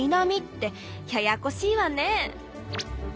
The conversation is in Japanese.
ややこしいわね。